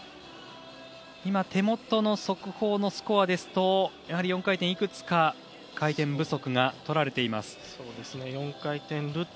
今手元の速報のスコアですと４回転でいくつか回転不足が取られています。